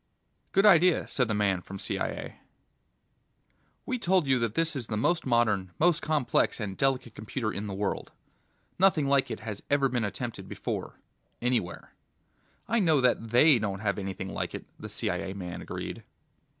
"Good idea," said the man from CIA. "We told you that this is the most modern, most complex and delicate computer in the world ... nothing like it has ever been attempted before anywhere." "I know that They don't have anything like it," the CIA man agreed.